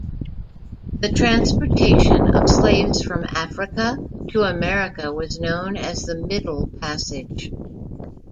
The transportation of slaves from Africa to America was known as the Middle Passage.